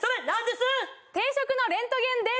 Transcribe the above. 定食のレントゲンです！